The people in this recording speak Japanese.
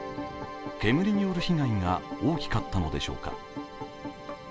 煙による被害が大きかったのでしょうか。